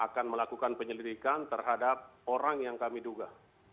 akan melakukan penyelidikan terhadap orang yang kami duga